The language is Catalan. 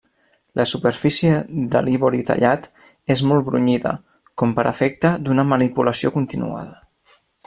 La superfície de l'ivori tallat és molt brunyida, com per efecte d'una manipulació continuada.